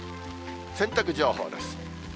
洗濯情報です。